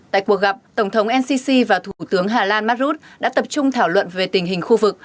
tổng thống ncc và thủ tướng hà lan mark rus đã tập trung thảo luận về tình hình khu vực